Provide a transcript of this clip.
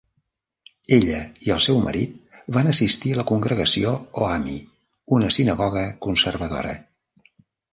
Ella i el seu marit van assistir a la Congregació o Ami, una sinagoga conservadora.